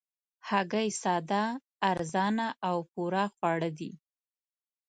هګۍ ساده، ارزانه او پوره خواړه دي